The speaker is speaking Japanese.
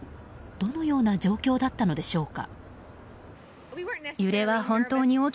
どのような状況だったのでしょうか。